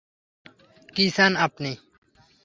কী চান আপনি?